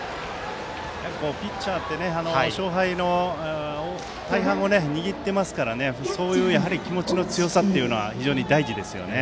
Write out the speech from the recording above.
ピッチャーは勝敗の大半を握っていますからそういう気持ちの強さというのは非常に大事ですね。